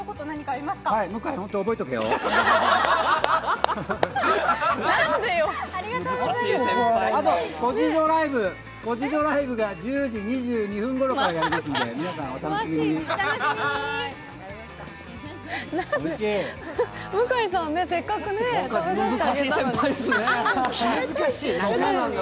あと「コジドライブ」が１０時２２分ごろからやりますので皆さんお楽しみに！